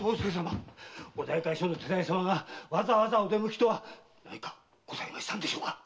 お代官所の手代様がわざわざお出向きとは何かございましたのでしょうか？